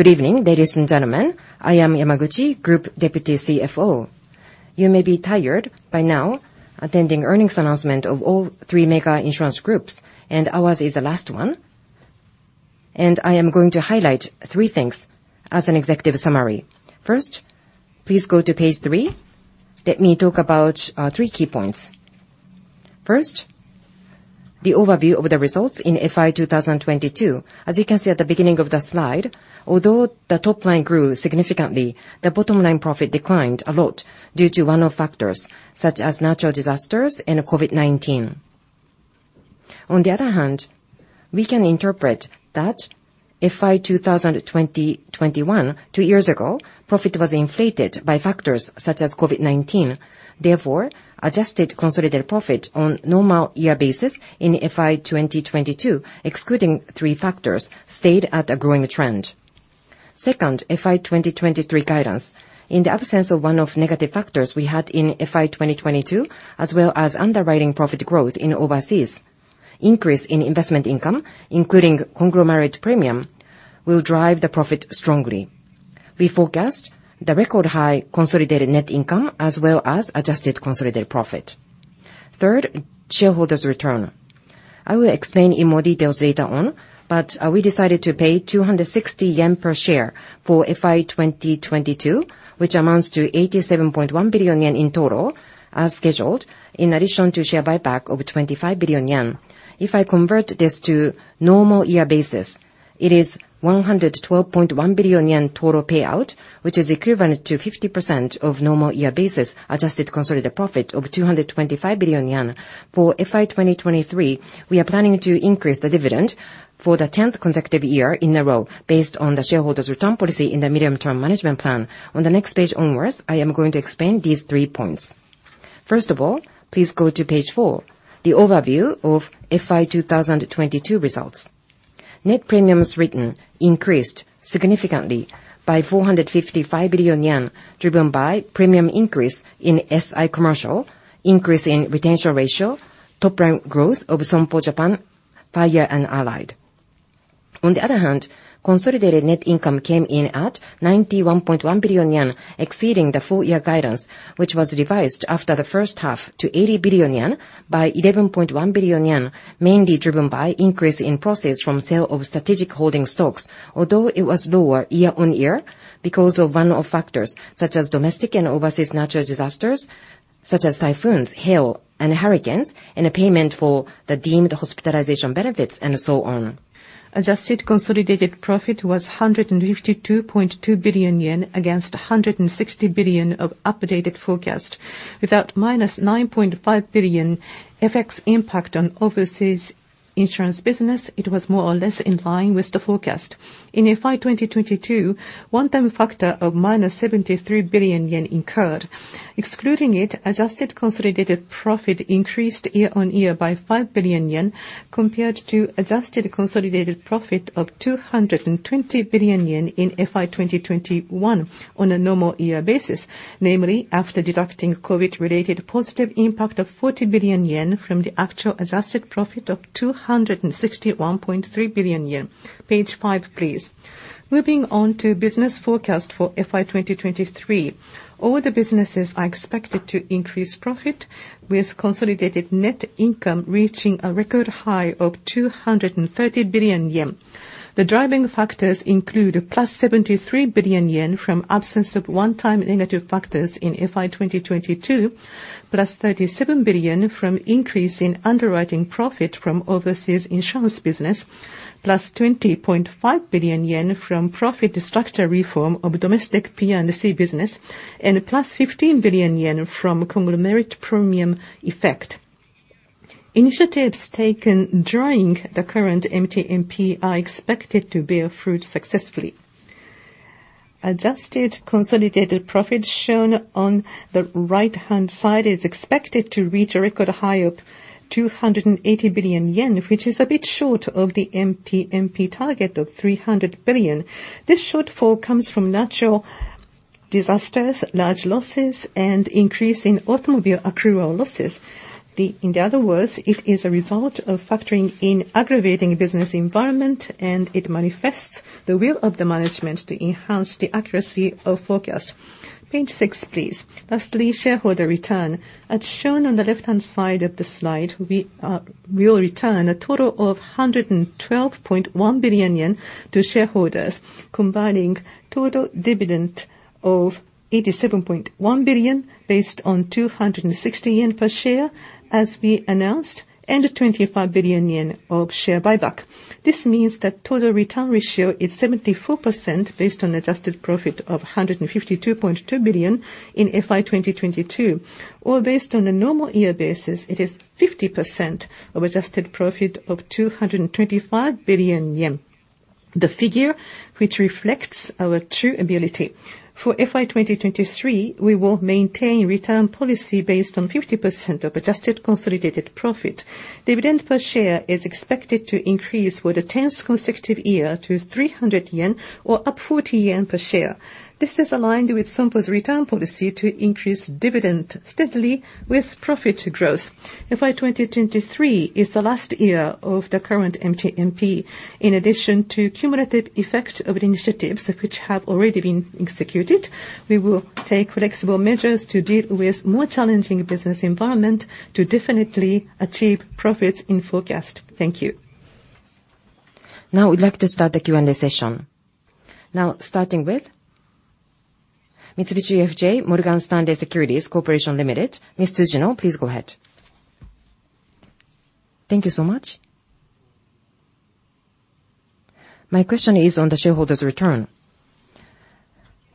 Good evening, ladies and gentlemen. I am Yamaguchi, group deputy CFO. You may be tired by now attending earnings announcement of all three mega insurance groups, ours is the last one. I am going to highlight three things as an executive summary. First, please go to page three. Let me talk about three key points. First, the overview of the results in FY 2022. As you can see at the beginning of the slide, although the top line grew significantly, the bottom line profit declined a lot due to one-off factors such as natural disasters and COVID-19. On the other hand, we can interpret that FY 2020, 2021, two years ago, profit was inflated by factors such as COVID-19, therefore adjusted consolidated profit on normal year basis in FY 2022, excluding three factors, stayed at a growing trend. Second, FY 2023 guidance. In the absence of one-off negative factors we had in FY 2022, as well as underwriting profit growth in overseas, increase in investment income, including conglomerate premium, will drive the profit strongly. We forecast the record high consolidated net income, as well as adjusted consolidated profit. Third, shareholders' return. I will explain in more details later on, but we decided to pay 260 yen per share for FY 2022, which amounts to 87.1 billion yen in total as scheduled, in addition to share buyback of 25 billion yen. If I convert this to normal year basis, it is 112.1 billion yen total payout, which is equivalent to 50% of normal year basis adjusted consolidated profit of 225 billion yen. For FY 2023, we are planning to increase the dividend for the 10th consecutive year in a row based on the shareholders' return policy in the medium-term management plan. On the next page onwards, I am going to explain these three points. First of all, please go to page four, the overview of FY 2022 results. Net premiums written increased significantly by 455 billion yen, driven by premium increase in SI Commercial, increase in retention ratio, top-line growth of Sompo Japan, Fire, and Allied. On the other hand, consolidated net income came in at 91.1 billion yen, exceeding the full year guidance, which was revised after the first half to 80 billion yen by 11.1 billion yen, mainly driven by increase in proceeds from sale of strategic holding stocks. It was lower year-on-year because of one-off factors such as domestic and overseas natural disasters, such as typhoons, hail, and hurricanes, and a payment for the deemed hospitalization benefits and so on. Adjusted consolidated profit was 152.2 billion yen against 160 billion of updated forecast. Without -9.5 billion FX impact on overseas insurance business, it was more or less in line with the forecast. In FY 2022, one-time factor of -73 billion yen incurred. Excluding it, adjusted consolidated profit increased year-on-year by 5 billion yen compared to adjusted consolidated profit of 220 billion yen in FY 2021 on a normal year basis, namely after deducting COVID-related positive impact of 40 billion yen from the actual adjusted profit of 261.3 billion yen. Page five, please. Moving on to business forecast for FY 2023. All the businesses are expected to increase profit, with consolidated net income reaching a record high of 230 billion yen. The driving factors include a plus 73 billion yen from absence of one-time negative factors in FY 2022, plus 37 billion from increase in underwriting profit from overseas insurance business, plus 20.5 billion yen from profit structure reform of domestic P&C business, and a plus 15 billion yen from conglomerate premium effect. Initiatives taken during the current MTMP are expected to bear fruit successfully. Adjusted consolidated profit shown on the right-hand side is expected to reach a record high of 280 billion yen, which is a bit short of the MTMP target of 300 billion. This shortfall comes from natural disasters, large losses, and increase in automobile accrual losses. In other words, it is a result of factoring in aggravating business environment. It manifests the will of the management to enhance the accuracy of forecast. Page six, please. Lastly, shareholder return. As shown on the left-hand side of the slide, we will return a total of 112.1 billion yen to shareholders, combining total dividend of 87.1 billion JPY based on 260 yen per share as we announced, a 25 billion yen of share buyback. This means that total return ratio is 74% based on adjusted profit of 152.2 billion JPY in FY 2022. Based on a normal year basis, it is 50% of adjusted profit of 225 billion yen, the figure which reflects our true ability. For FY 2023, we will maintain return policy based on 50% of adjusted consolidated profit. Dividend per share is expected to increase for the 10th consecutive year to 300 yen or up 40 yen per share. This is aligned with Sompo's return policy to increase dividend steadily with profit growth. FY 2023 is the last year of the current MTMP. In addition to cumulative effect of initiatives which have already been executed, we will take flexible measures to deal with more challenging business environment to definitely achieve profits in forecast. Thank you. We'd like to start the Q&A session. Starting with Mitsubishi UFJ Morgan Stanley Securities Co., Ltd., Ms. Tsujino please go ahead. Thank you so much. My question is on the shareholders' return.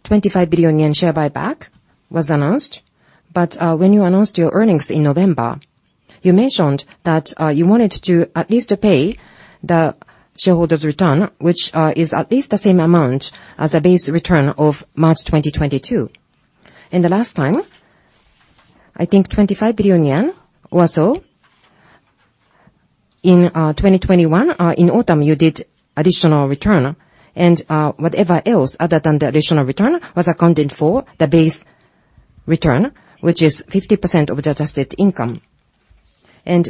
25 billion yen share buyback was announced, when you announced your earnings in November, you mentioned that you wanted to at least pay the shareholders' return, which is at least the same amount as the base return of March 2022. The last time, I think 25 billion yen or so in 2021, in autumn you did additional return and whatever else other than the additional return was accounted for the base return, which is 50% of the adjusted income.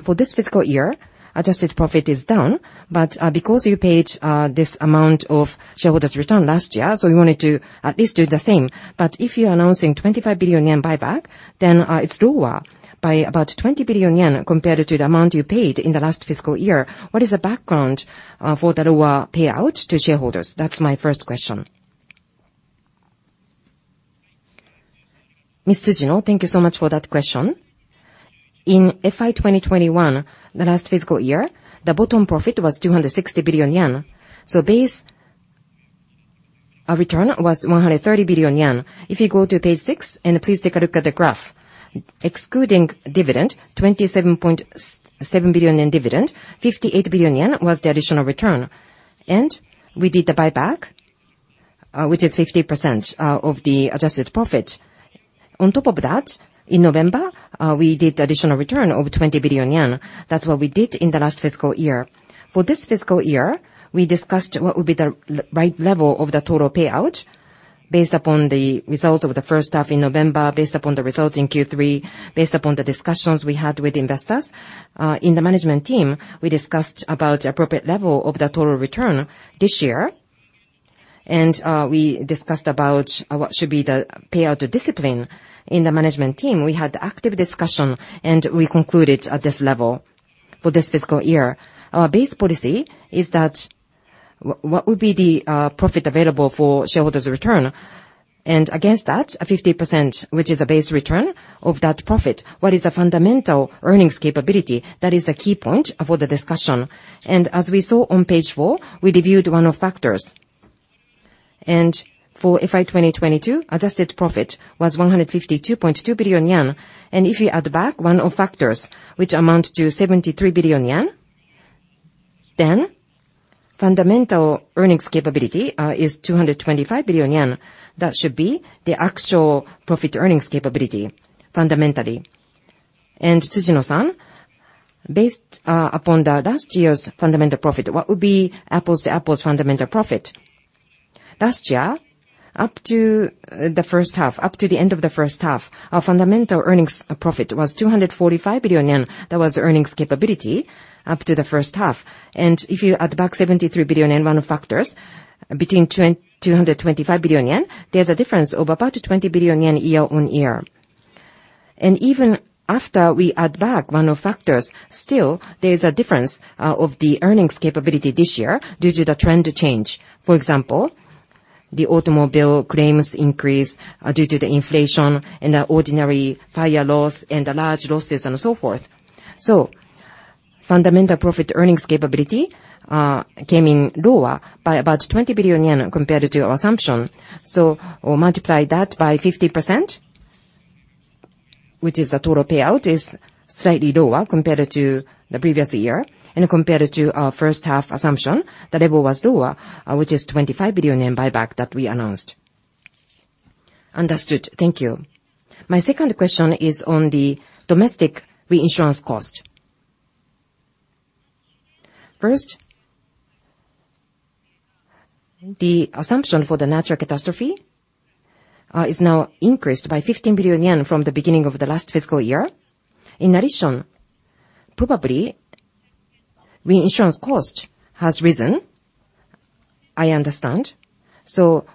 For this fiscal year, adjusted profit is down, but because you paid this amount of shareholders' return last year, you wanted to at least do the same. If you're announcing 25 billion yen buyback, it's lower by about 20 billion yen compared to the amount you paid in the last fiscal year. What is the background for the lower payout to shareholders? That's my first question. Ms. Tsujino, thank you so much for that question. In FY 2021, the last fiscal year, the bottom profit was 260 billion yen. Base return was 130 billion yen. If you go to page six, please take a look at the graph. Excluding dividend, 27.7 billion yen in dividend, 58 billion yen was the additional return. We did the buyback, which is 50% of the adjusted profit. On top of that, in November, we did additional return of 20 billion yen. That's what we did in the last fiscal year. For this fiscal year, we discussed what would be the right level of the total payout based upon the results of the first half in November, based upon the results in Q3, based upon the discussions we had with investors. In the management team, we discussed about the appropriate level of the total return this year, and we discussed about what should be the payout discipline. In the management team, we had active discussion, and we concluded at this level for this fiscal year. Our base policy is that what would be the profit available for shareholders' return. Against that, a 50%, which is a base return of that profit. What is the fundamental earnings capability? That is a key point of all the discussion. As we saw on page four, we reviewed one of factors. For FY 2022, adjusted profit was 152.2 billion yen. If you add back one of factors which amount to 73 billion yen, then fundamental earnings capability is 225 billion yen. That should be the actual profit earnings capability fundamentally. Tsujino-san, based upon the last year's fundamental profit, what would be apples-to-apples fundamental profit? Last year, up to the first half, up to the end of the first half, our fundamental earnings profit was 245 billion yen. That was the earnings capability up to the first half. If you add back 73 billion yen one-off factors between 225 billion yen, there's a difference of about 20 billion yen year-on-year. Even after we add back one-off factors, still there's a difference of the earnings capability this year due to the trend change. For example, the automobile claims increase due to the inflation and the ordinary Fire loss and the large losses and so forth. Fundamental profit earnings capability came in lower by about 20 billion yen compared to our assumption. We'll multiply that by 50%, which is the total payout is slightly lower compared to the previous year and compared to our first half assumption. The level was lower, which is 25 billion yen buyback that we announced. Understood. Thank you. My second question is on the domestic reinsurance cost. First, the assumption for the natural catastrophe is now increased by 15 billion yen from the beginning of the last fiscal year. In addition, probably reinsurance cost has risen, I understand.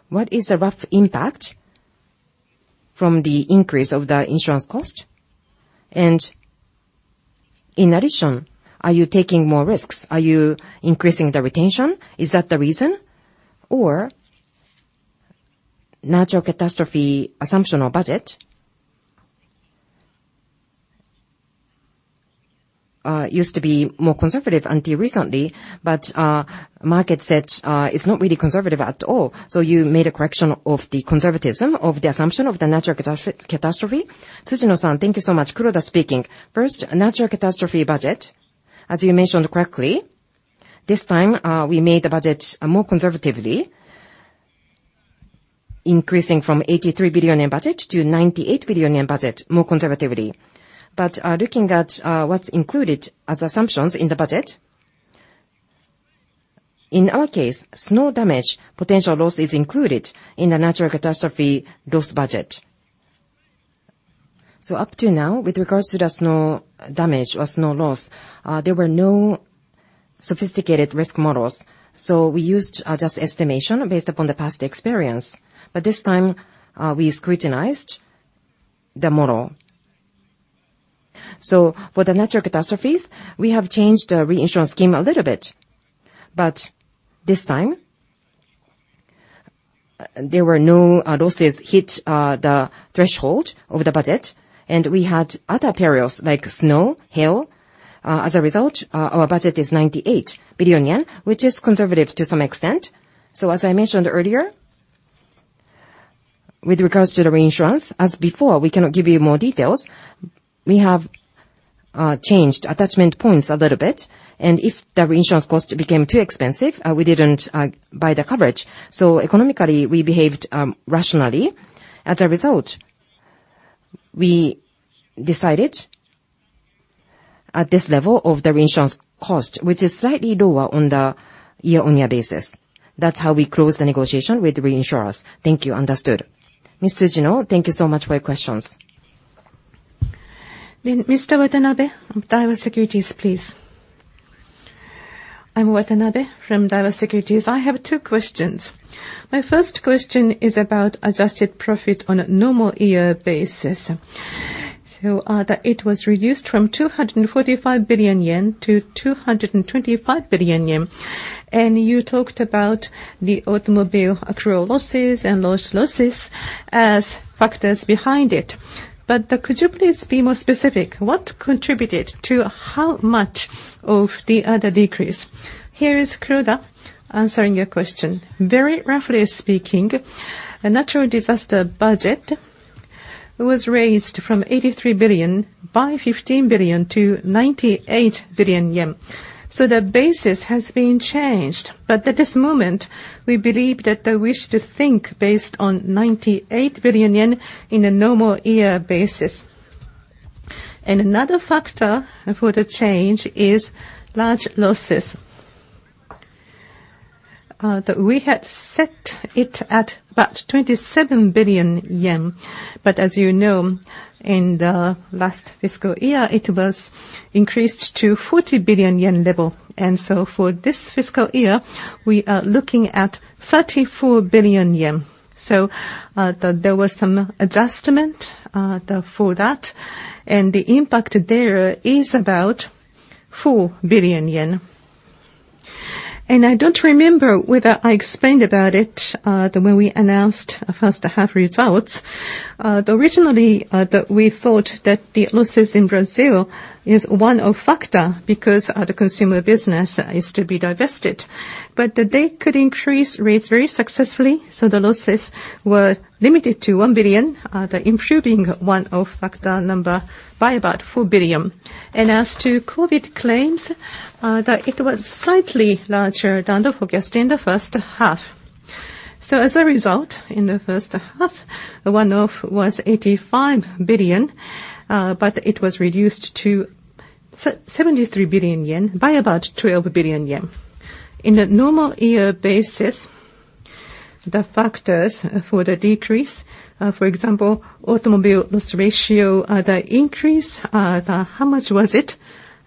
What is the rough impact from the increase of the insurance cost? In addition, are you taking more risks? Are you increasing the retention? Is that the reason? Natural catastrophe assumption or budget used to be more conservative until recently, but market said it's not really conservative at all. You made a correction of the conservatism of the assumption of the natural catastrophe. Tsujino-san, thank you so much. Kuroda speaking. First, natural catastrophe budget, as you mentioned correctly, this time, we made the budget more conservatively, increasing from 83 billion yen budget to 98 billion yen budget more conservatively. Looking at what's included as assumptions in the budget, in our case, snow damage potential loss is included in the natural catastrophe loss budget. Up to now, with regards to the snow damage or snow loss, there were no sophisticated risk models. We used just estimation based upon the past experience. This time, we scrutinized the model. For the natural catastrophes, we have changed the reinsurance scheme a little bit. This time, there were no losses hit the threshold of the budget, and we had other perils like snow, hail. As a result, our budget is 98 billion yen, which is conservative to some extent. As I mentioned earlier, with regards to the reinsurance, as before, we cannot give you more details. We have changed attachment points a little bit, and if the reinsurance cost became too expensive, we didn't buy the coverage. Economically, we behaved rationally. As a result, we decided at this level of the reinsurance cost, which is slightly lower on the year-on-year basis. That's how we closed the negotiation with the reinsurers. Thank you. Understood. Ms. Tsujino, thank you so much for your questions. Mr. Watanabe of Daiwa Securities, please. I'm Watanabe from Daiwa Securities. I have two questions. My first question is about adjusted profit on a normal year basis. It was reduced from 245 billion yen to 225 billion yen. You talked about the automobile accrual losses and large losses as factors behind it. Could you please be more specific? What contributed to how much of the other decrease? Here is Kuroda answering your question. Very roughly speaking, a natural disaster budget was raised from 83 billion by 15 billion to 98 billion yen. The basis has been changed. At this moment, we believe that the wish to think based on 98 billion yen in a normal year basis. Another factor for the change is large losses. We had set it at about 27 billion yen. As you know, in the last fiscal year, it was increased to 40 billion yen level. For this fiscal year, we are looking at 34 billion yen. There was some adjustment for that. The impact there is about 4 billion yen. I don't remember whether I explained about it when we announced first half results. Originally, we thought that the losses in Brazil is one of factor because the consumer business is to be divested. They could increase rates very successfully, so the losses were limited to 1 billion, improving one of factor number by about 4 billion. As to COVID claims, it was slightly larger than the forecast in the first half. As a result, in the first half, the one-off was 85 billion, but it was reduced to 73 billion yen by about 12 billion yen. In a normal year basis, the factors for the decrease, for example, automobile loss ratio, the increase, the how much was it?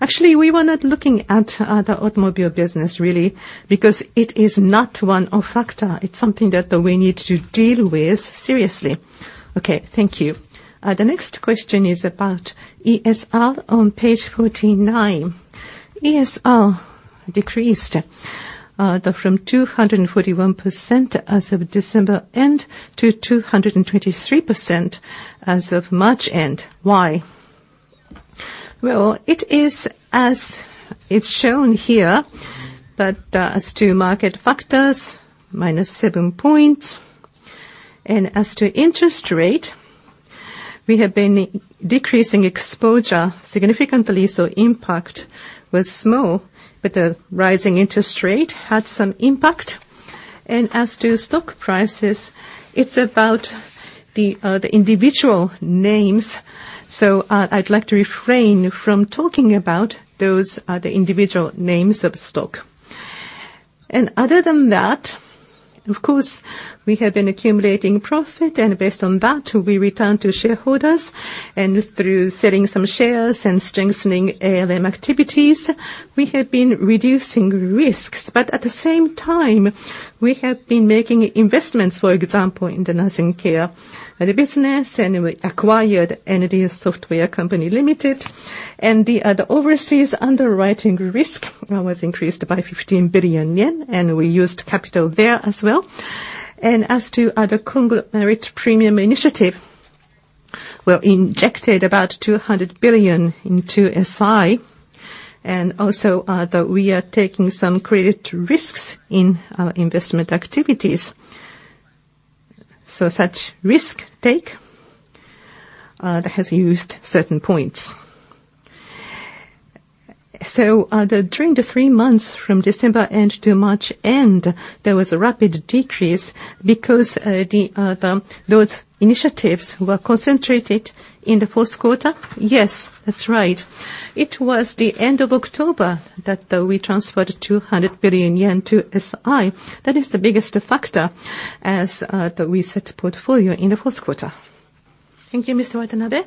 Actually, we were not looking at the automobile business really because it is not one of factor. It's something that we need to deal with seriously. Okay. Thank you. The next question is about ESR on page 49. ESR decreased from 241% as of December end to 223% as of March end. Why? Well, it is as it's shown here that as to market factors, -7 points. As to interest rate, we have been decreasing exposure significantly, so impact was small. The rising interest rate had some impact. As to stock prices, it's about the individual names. I'd like to refrain from talking about those, the individual names of stock. Other than that, of course, we have been accumulating profit, and based on that, we return to shareholders. Through selling some shares and strengthening ALM activities, we have been reducing risks. At the same time, we have been making investments, for example, in the nursing care business, and we acquired Energy Software Company Limited. The overseas underwriting risk was increased by 15 billion yen, and we used capital there as well. As to other conglomerate premium initiative, we injected about 200 billion into SI. Also, we are taking some credit risks in our investment activities. Such risk take that has used certain points. During the three months from December end to March end, there was a rapid decrease because those initiatives were concentrated in the fourth quarter? Yes, that's right. It was the end of October that we transferred 200 billion yen to SI. That is the biggest factor as the reset portfolio in the fourth quarter. Thank you, Mr. Watanabe.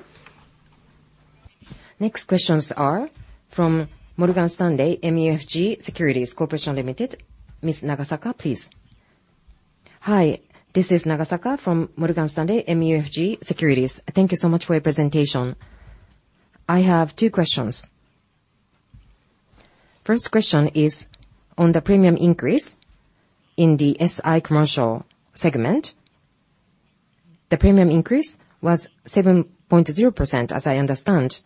Next questions are from Morgan Stanley MUFG Securities Co., Ltd.. Ms. Nagasaka, please. Hi, this is Nagasaka from Morgan Stanley MUFG Securities. Thank you so much for your presentation. I have two questions. First question is on the premium increase in the SI Commercial segment. The premium increase was 7.0%, as I understand.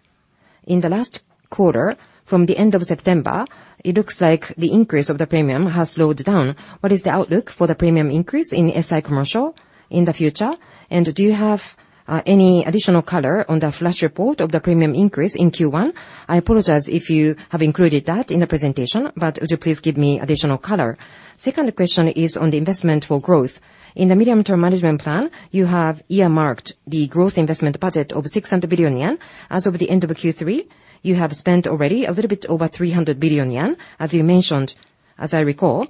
In the last quarter, from the end of September, it looks like the increase of the premium has slowed down. What is the outlook for the premium increase in SI Commercial in the future? Do you have any additional color on the flash report of the premium increase in Q1? I apologize if you have included that in the presentation, but would you please give me additional color? Second question is on the investment for growth. In the medium-term management plan, you have earmarked the growth investment budget of 600 billion yen. As of the end of Q3, you have spent already a little bit over 300 billion yen, as you mentioned, as I recall.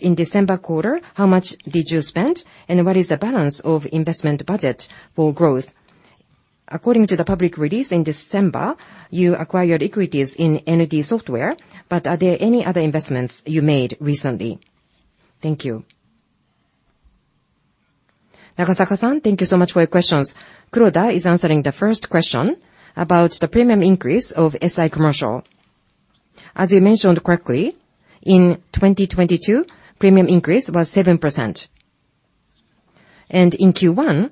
In December quarter, how much did you spend, and what is the balance of investment budget for growth? According to the public release in December, you acquired equities in Energy Software Company Limited. Are there any other investments you made recently? Thank you. Nagasaka-san, thank you so much for your questions. Kuroda is answering the first question about the premium increase of SI Commercial. As you mentioned correctly, in 2022, premium increase was 7%. In Q1,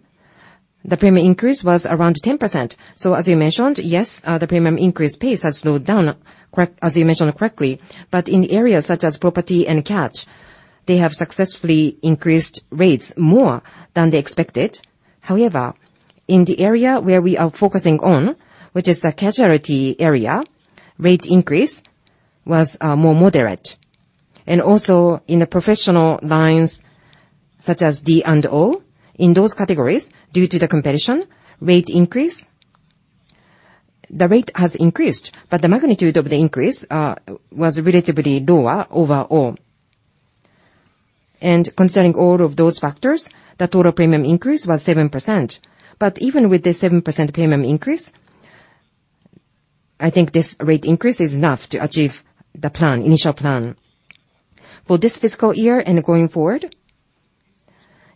the premium increase was around 10%. As you mentioned, yes, the premium increase pace has slowed down as you mentioned correctly. In areas such as property and cat, they have successfully increased rates more than they expected. In the area where we are focusing on, which is the casualty area, rate increase was more moderate. In the professional lines such as D&O, in those categories, due to the competition, the rate has increased, but the magnitude of the increase was relatively lower overall. Concerning all of those factors, the total premium increase was 7%. Even with the 7% premium increase, I think this rate increase is enough to achieve the plan, initial plan. For this fiscal year and going forward,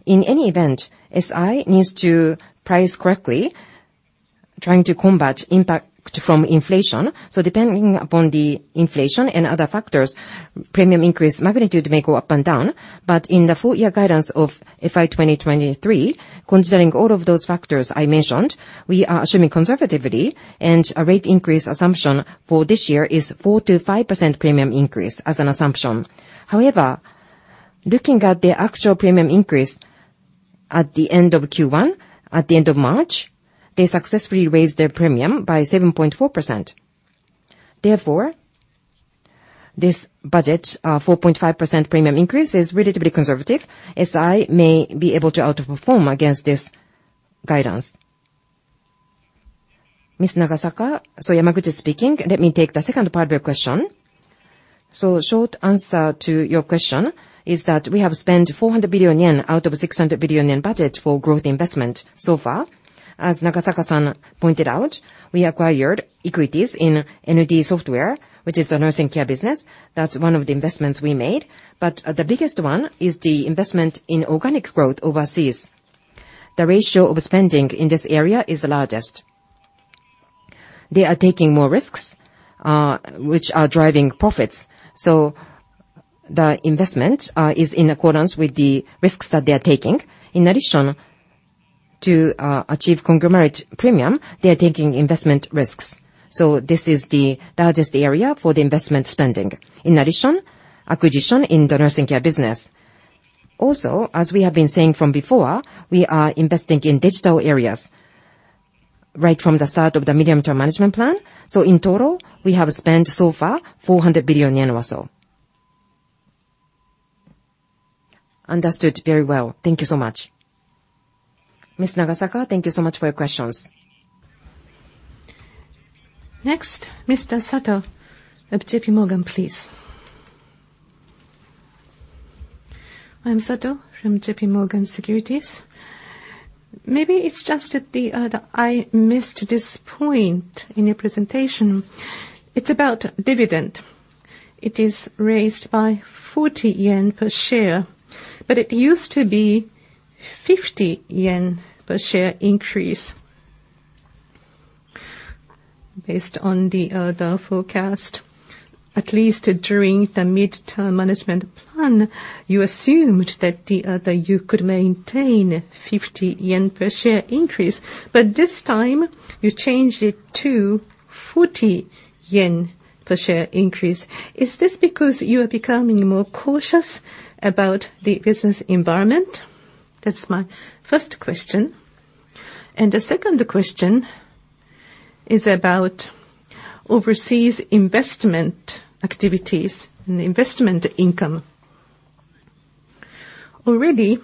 in any event, SI needs to price correctly, trying to combat impact from inflation. Depending upon the inflation and other factors, premium increase magnitude may go up and down. In the full year guidance of FY 2023, considering all of those factors I mentioned, we are assuming conservatively. A rate increase assumption for this year is 4%-5% premium increase as an assumption. Looking at the actual premium increase at the end of Q1, at the end of March, they successfully raised their premium by 7.4%. This budget, 4.5% premium increase is relatively conservative. SI may be able to outperform against this guidance. Miss Nagasaka. Yamaguchi speaking. Let me take the second part of your question. Short answer to your question is that we have spent 400 billion yen out of 600 billion yen budget for growth investment so far. As Nagasaka-san pointed out, we acquired equities in Energy Software Company Limited, which is a nursing care business. That's one of the investments we made. The biggest one is the investment in organic growth overseas. The ratio of spending in this area is the largest. They are taking more risks, which are driving profits. The investment is in accordance with the risks that they are taking. In addition, to achieve conglomerate premium, they are taking investment risks. This is the largest area for the investment spending. In addition, acquisition in the nursing care business. Also, as we have been saying from before, we are investing in digital areas right from the start of the medium-term management plan. In total, we have spent so far 400 billion yen or so. Understood very well. Thank you so much. Miss Nagasaka, thank you so much for your questions. Next, Mr. Sato of JPMorgan, please. I'm Sato from JPMorgan Securities. Maybe it's just that I missed this point in your presentation. It's about dividend. It is raised by 40 yen per share, but it used to be 50 yen per share increase. Based on the forecast, at least during the medium-term management plan, you assumed that you could maintain 50 yen per share increase, but this time you changed it to 40 yen per share increase. Is this because you are becoming more cautious about the business environment? That's my first question. The second question is about overseas investment activities and investment income. Already,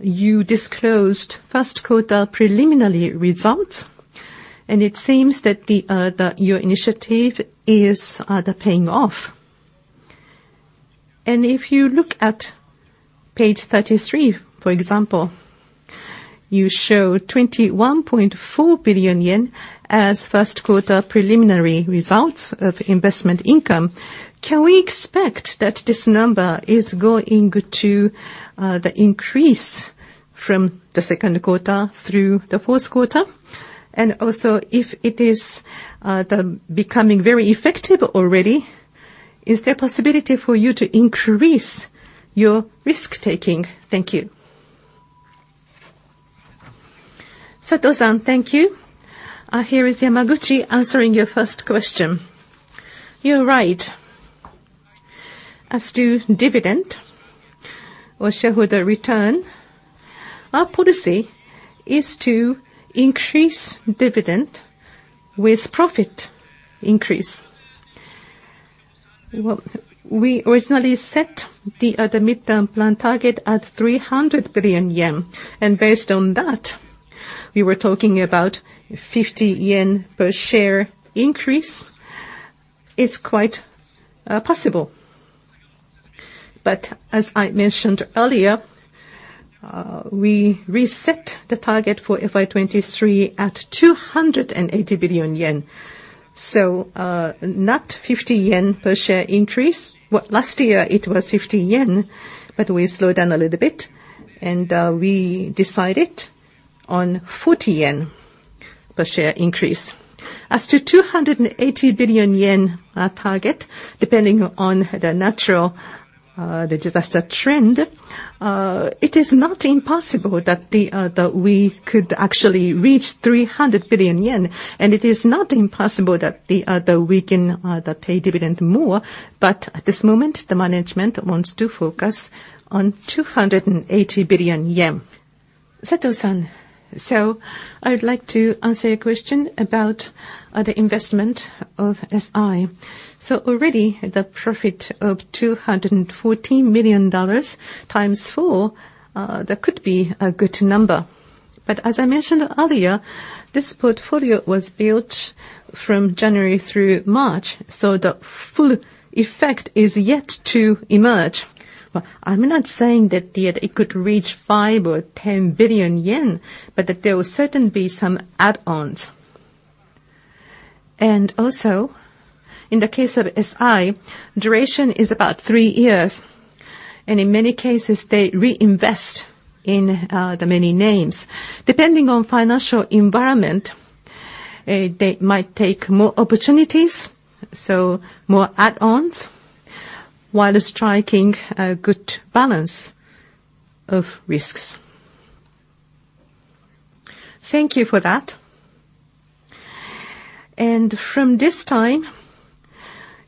you disclosed first quarter preliminary results, and it seems that your initiative is paying off. If you look at page 33, for example. You show 21.4 billion yen as first quarter preliminary results of investment income. Can we expect that this number is going to increase from the second quarter through the fourth quarter? Also, if it is becoming very effective already, is there possibility for you to increase your risk-taking? Thank you. Sato-san, thank you. Here is Yamaguchi answering your first question. You're right. As to dividend or shareholder return, our policy is to increase dividend with profit increase. Well, we originally set the midterm plan target at 300 billion yen, and based on that, we were talking about 50 yen per share increase. It's quite possible. As I mentioned earlier, we reset the target for FY 2023 at 280 billion yen, so not 50 yen per share increase. Well, last year it was 50 yen, but we slowed down a little bit and we decided on 40 yen per share increase. As to 280 billion yen target, depending on the natural disaster trend, it is not impossible that we could actually reach 300 billion yen, and it is not impossible that we can pay dividend more. At this moment, the management wants to focus on 280 billion yen. Sato-san, I would like to answer your question about the investment of SI. Already, the profit of $214 million times four, that could be a good number. As I mentioned earlier, this portfolio was built from January through March, so the full effect is yet to emerge. I'm not saying it could reach 5 billion or 10 billion yen, but that there will certainly be some add-ons. Also, in the case of SI, duration is about three years, and in many cases they reinvest in the many names. Depending on financial environment, they might take more opportunities, so more add-ons while striking a good balance of risks. Thank you for that. From this time,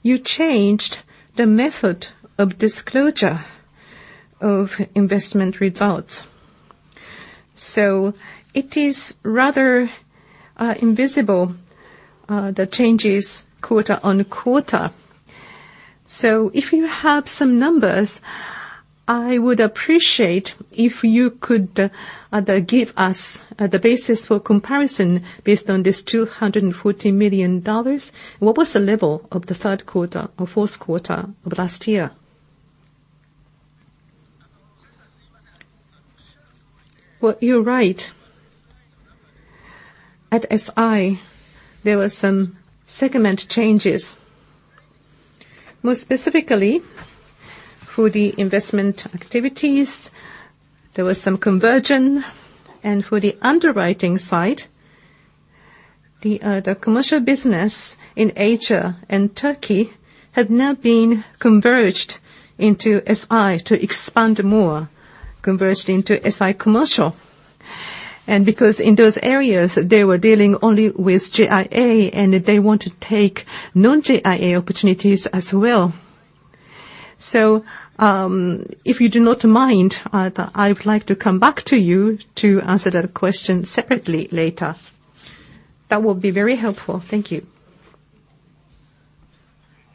you changed the method of disclosure of investment results, so it is rather invisible, the changes quarter-on-quarter. If you have some numbers, I would appreciate if you could give us the basis for comparison based on this $240 million. What was the level of the 3rd quarter or 4th quarter of last year? You're right. At SI, there were some segment changes. More specifically, for the investment activities, there was some conversion. For the underwriting side, the commercial business in Asia and Turkey have now been converged into SI to expand more, converged into SI Commercial. Because in those areas they were dealing only with JIA, and they want to take non-JIA opportunities as well. If you do not mind, I would like to come back to you to answer that question separately later. That will be very helpful. Thank you.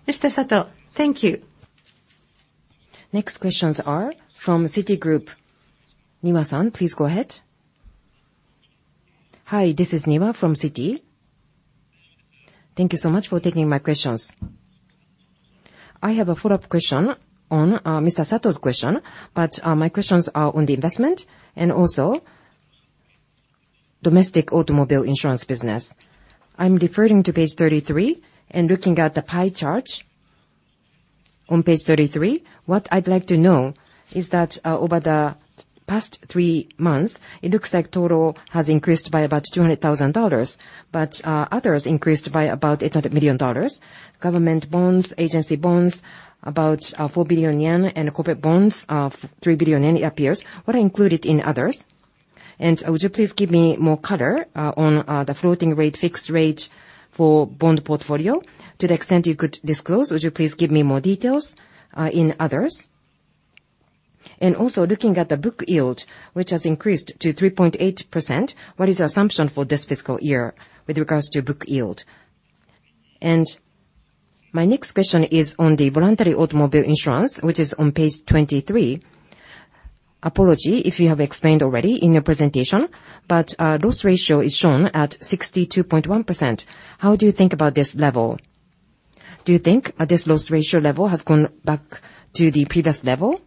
Mr. Sato, thank you. Next questions are from Citigroup. Niwa-san, please go ahead. Hi, this is Niwa from Citi. Thank you so much for taking my questions. I have a follow-up question on Mr. Sato's question, but my questions are on the investment and also domestic automobile insurance business. I'm deferring to page 33, and looking at the pie chart on page 33, what I'd like to know is that over the past three months, it looks like total has increased by about $200,000, but others increased by about $800 million. Government bonds, agency bonds, about 4 billion yen, and corporate bonds of 3 billion yen appears. Were they included in others? Would you please give me more color on the floating rate, fixed rate for bond portfolio? To the extent you could disclose, would you please give me more details in others? Also looking at the book yield, which has increased to 3.8%, what is the assumption for this fiscal year with regards to book yield? My next question is on the voluntary automobile insurance, which is on page 23. Apology if you have explained already in your presentation, but loss ratio is shown at 62.1%. How do you think about this level? Do you think this loss ratio level has gone back to the previous level?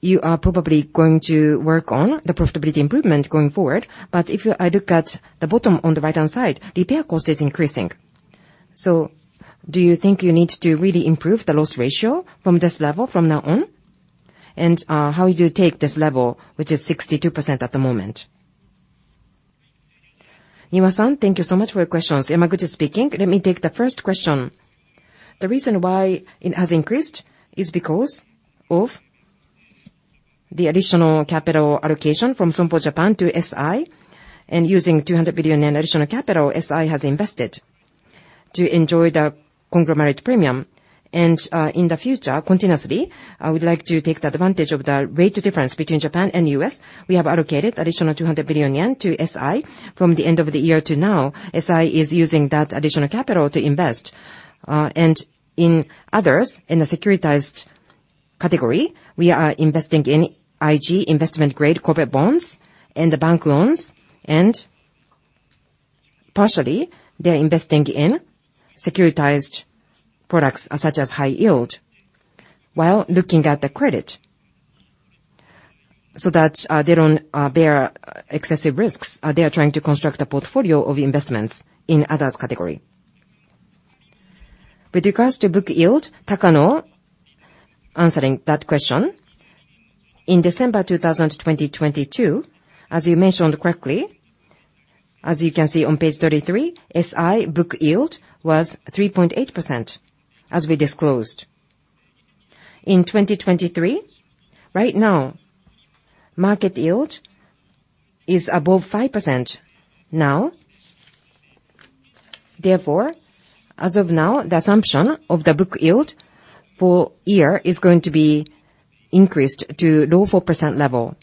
You are probably going to work on the profitability improvement going forward, but if I look at the bottom on the right-hand side, repair cost is increasing. Do you think you need to really improve the loss ratio from this level from now on? How would you take this level, which is 62% at the moment? Niwa-san, thank you so much for your questions. Yamaguchi speaking. Let me take the first question. The reason why it has increased is because of the additional capital allocation from Sompo Japan to SI, and using 200 billion in additional capital, SI has invested to enjoy the conglomerate premium. In the future, continuously, I would like to take the advantage of the rate difference between Japan and U.S. We have allocated additional 200 billion yen to SI from the end of the year to now. SI is using that additional capital to invest. And in others, in the securitized category, we are investing in IG, investment-grade corporate bonds and the bank loans, and partially they are investing in securitized products such as high yield while looking at the credit. That they don't bear excessive risks. They are trying to construct a portfolio of investments in others category. With regards to book yield, Takano answering that question. In December 2022, as you mentioned correctly, as you can see on page 33, SI book yield was 3.8%, as we disclosed. In 2023, right now, market yield is above 5% now. As of now, the assumption of the book yield for year is going to be increased to low 4% level.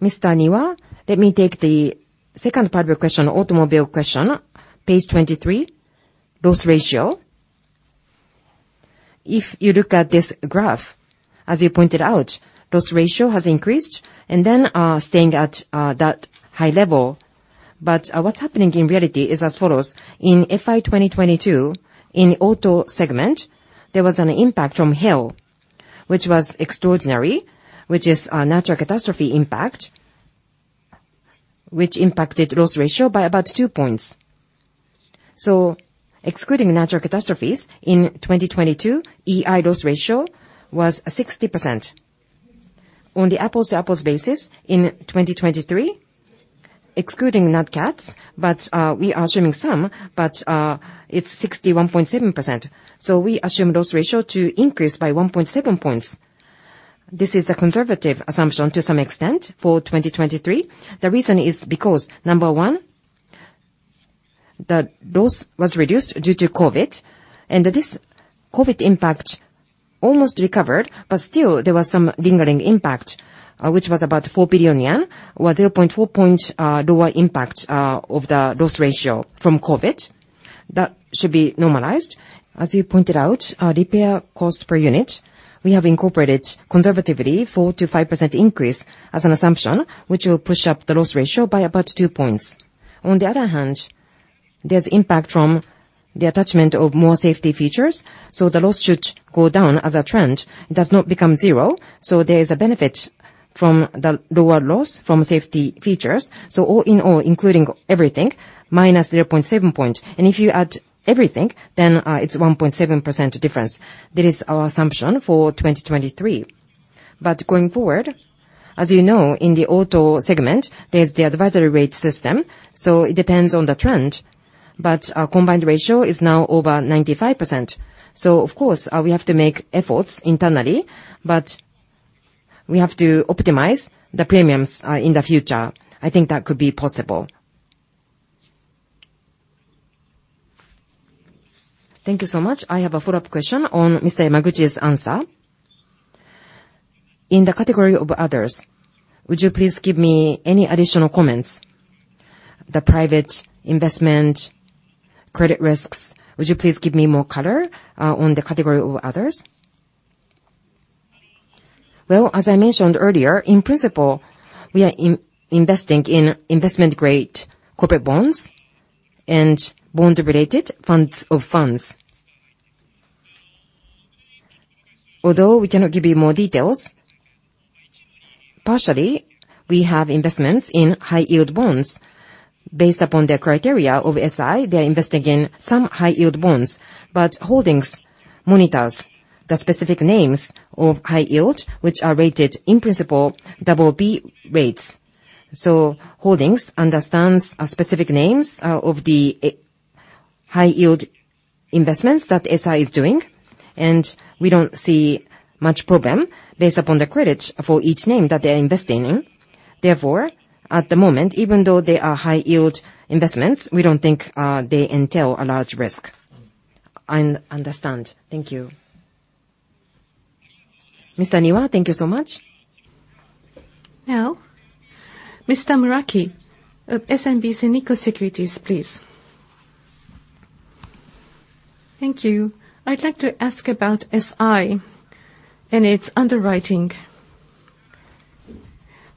Mr. Niwa, let me take the second part of your question, automobile question. Page 23, loss ratio. If you look at this graph, as you pointed out, loss ratio has increased and then, staying at that high level. What's happening in reality is as follows. In FY 2022, in auto segment, there was an impact from hail, which was extraordinary, which is a natural catastrophe impact, which impacted loss ratio by about 2 points. Excluding natural catastrophes in 2022, EI loss ratio was 60%. On the apples-to-apples basis in 2023, excluding nat cats, but we are assuming some, but it's 61.7%. We assume loss ratio to increase by 1.7 points. This is a conservative assumption to some extent for 2023. The reason is because, number one, the loss was reduced due to COVID, and this COVID impact almost recovered, but still there was some lingering impact, which was about 4 billion yen, or 0.4 point lower impact of the loss ratio from COVID. That should be normalized. As you pointed out, repair cost per unit, we have incorporated conservatively 4%-5% increase as an assumption, which will push up the loss ratio by about 2 points. On the other hand, there's impact from the attachment of more safety features, so the loss should go down as a trend. It does not become zero, so there is a benefit from the lower loss from safety features. All in all, including everything, minus 0.7 points. If you add everything, then, it's 1.7% difference. That is our assumption for 2023. Going forward, as you know, in the auto segment, there's the advisory rate system, so it depends on the trend. Our combined ratio is now over 95%. Of course, we have to make efforts internally, but we have to optimize the premiums in the future. I think that could be possible. Thank you so much. I have a follow-up question on Mr. Yamaguchi's answer. In the category of others, would you please give me any additional comments? The private investment credit risks, would you please give me more color on the category of others? Well, as I mentioned earlier, in principle, we are investing in investment-grade corporate bonds and bond-related funds of funds. Although we cannot give you more details, partially, we have investments in high-yield bonds. Based upon their criteria of SI, they are investing in some high-yield bonds, but holdings monitors the specific names of high yield, which are rated in principle BB rates. Sompo Holdings understands specific names of the high-yield investments that SI is doing, and we don't see much problem based upon the credit for each name that they are investing in. At the moment, even though they are high-yield investments, we don't think they entail a large risk. Understand. Thank you. Mr. Niwa, thank you so much. Mr. Muraki of SMBC Nikko Securities, please. Thank you. I'd like to ask about SI and its underwriting.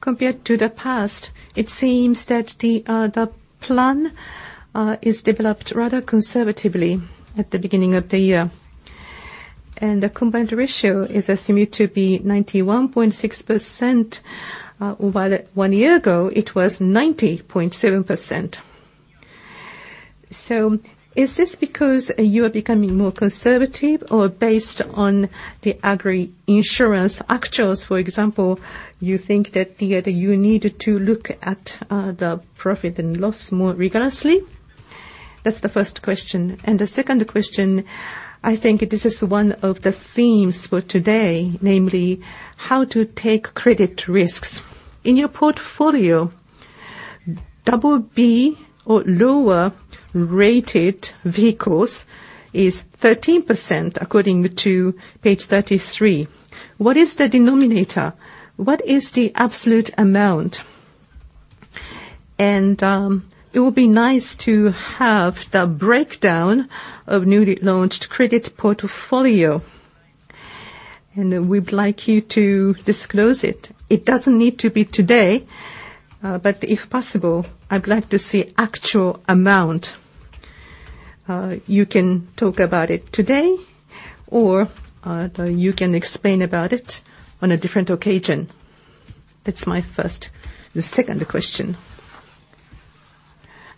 Compared to the past, it seems that the plan is developed rather conservatively at the beginning of the year. The combined ratio is estimated to be 91.6%, while 1 year ago it was 90.7%. Is this because you are becoming more conservative or based on the agri-insurance actuaries, for example, you think that you need to look at the profit and loss more rigorously? That's the first question. The second question, I think this is one of the themes for today, namely how to take credit risks. In your portfolio, BB or lower-rated vehicles is 13% according to page 33. What is the denominator? What is the absolute amount? It would be nice to have the breakdown of newly launched credit portfolio, and we'd like you to disclose it. It doesn't need to be today, but if possible, I'd like to see actual amount. You can talk about it today, or you can explain about it on a different occasion. That's my first. The second question.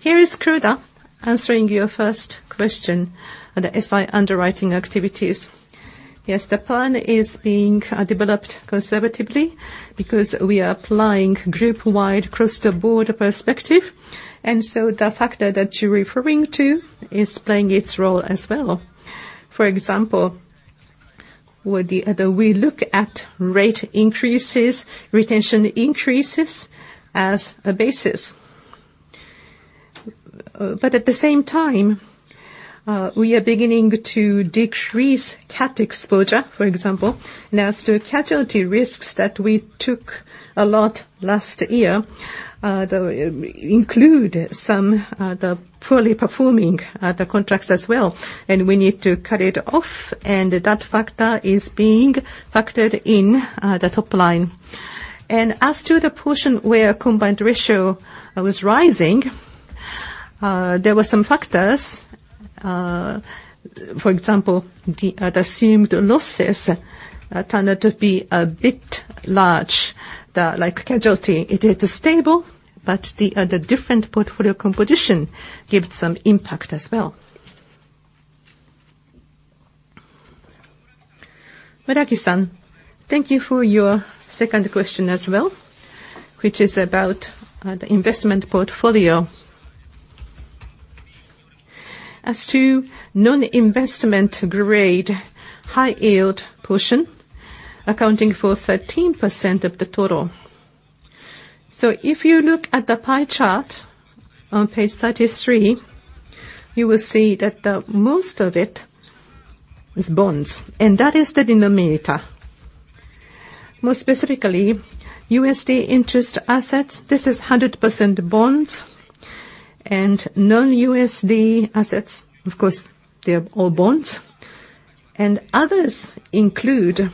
Here is Kuroda answering your first question on the SI underwriting activities. Yes, the plan is being developed conservatively because we are applying group-wide across-the-board perspective, the factor that you're referring to is playing its role as well. For example, we look at rate increases, retention increases as a basis. At the same time, we are beginning to decrease cat exposure, for example. As to casualty risks that we took a lot last year, though include some the poorly performing the contracts as well, and we need to cut it off, and that factor is being factored in the top line. As to the portion where combined ratio was rising, there were some factors. For example, the the assumed losses turned out to be a bit large. The like casualty, it is stable, but the the different portfolio composition gave it some impact as well. Muraki-san, thank you for your second question as well, which is about the investment portfolio. As to non-investment grade high-yield portion accounting for 13% of the total. If you look at the pie chart on page 33, you will see that the most of it is bonds, and that is the denominator. More specifically, USD interest assets, this is 100% bonds. Non-USD assets, of course, they're all bonds. Others include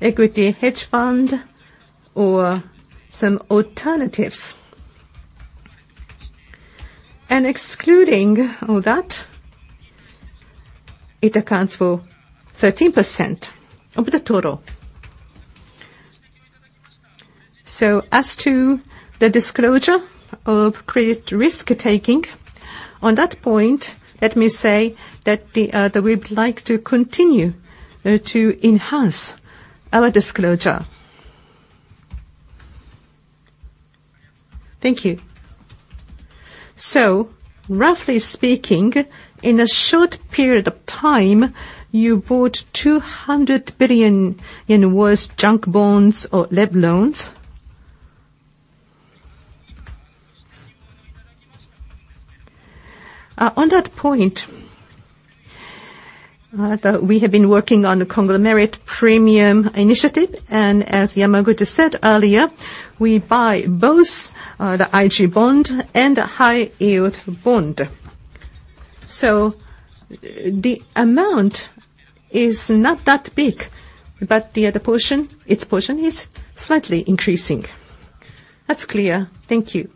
equity hedge fund or some alternatives. Excluding all that, it accounts for 13% of the total. As to the disclosure of credit risk taking, on that point, let me say that we would like to continue to enhance our disclosure. Thank you. Roughly speaking, in a short period of time, you bought 200 billion in worse junk bonds or lev loans. On that point, we have been working on the conglomerate premium initiative, and as Yamaguchi said earlier, we buy both the IG bond and the high-yield bond. The amount is not that big, but the portion, its portion is slightly increasing. That's clear. Thank you.